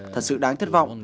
thật sự đáng thất vọng